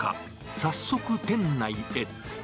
早速、店内へ。